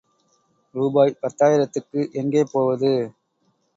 ரூபாய் பத்தாயிரத்துக்கு எங்கே போவது?